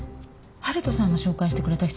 悠人さんが紹介してくれた人？